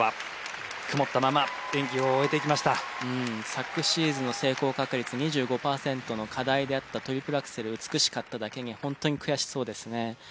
昨シーズンの成功確率２５パーセントの課題であったトリプルアクセル美しかっただけに本当に悔しそうですね。